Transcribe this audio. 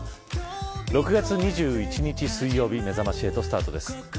６月２１日水曜日めざまし８スタートです。